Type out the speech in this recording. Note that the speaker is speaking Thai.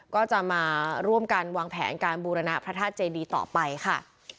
ก็จะมาร่วมกันวางแผนการบูรณะพระธาตุเจดีต่อไปค่ะ